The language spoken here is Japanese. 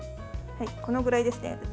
このぐらいですね。